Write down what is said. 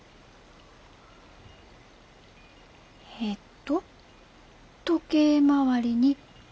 えっと時計回りに２回。